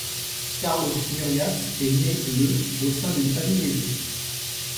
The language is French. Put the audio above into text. Carlos Murias est né le au sein d'une famille aisée.